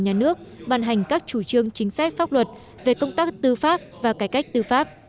nhà nước bàn hành các chủ trương chính sách pháp luật về công tác tư pháp và cải cách tư pháp